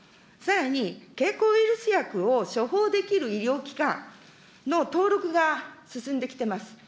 さらに経口ウイルス薬を処方できる医療機関の登録が進んできてます。